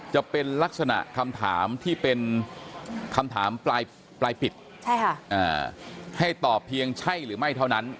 จะเป็นลักษณะคำถามที่เป็นคำถามปลายปิดให้ตอบเพียงใช่หรือไม่เท่านั้น